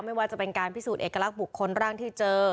ไม่ว่าจะเป็นการพิสูจน์เอกลักษณ์บุคคลร่างที่เจอ